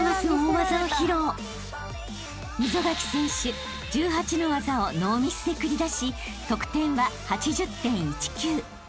［溝垣選手１８の技をノーミスで繰り出し得点は８０．１９］